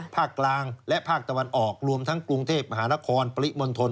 ภาคกลางและภาคตะวันออกรวมทั้งกรุงเทพมหานครปริมณฑล